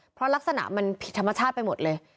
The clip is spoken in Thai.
เพราะลักษณะมันผิดธรรมชาติไปหมดเลย